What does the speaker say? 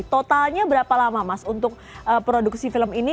totalnya berapa lama mas untuk produksi film ini